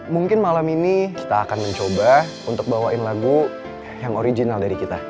mungkin malam ini kita akan mencoba untuk bawain lagu yang original dari kita